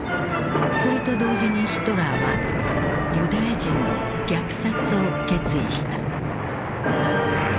それと同時にヒトラーはユダヤ人の虐殺を決意した。